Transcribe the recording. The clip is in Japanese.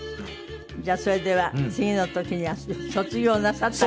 じゃあそれでは次の時には卒業なさったかどうか。